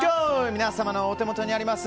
皆様のお手元にあります